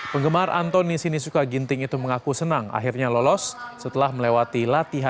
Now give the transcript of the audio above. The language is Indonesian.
penggemar antoni sinisuka ginting itu mengaku senang akhirnya lolos setelah melewati latihan